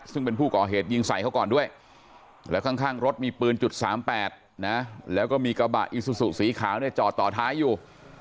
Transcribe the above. ซึ่งเป็นผู้ก่อเหตุยิงใส่เขาก่อนด้วยแล้วข้างรถมีปืนจุด๓๘นะแล้วก็มีกระบะอีซูซูสีขาวเนี่ยจอดต่อท้ายอยู่